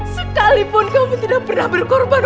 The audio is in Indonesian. sekalipun kami tidak pernah berkorban